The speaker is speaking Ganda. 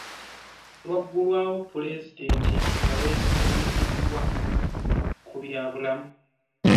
Lwaggulwawo Pulezidenti nga kwesigamizibwa ku bya bulamu .